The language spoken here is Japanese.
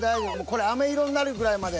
これあめ色になるぐらいまで。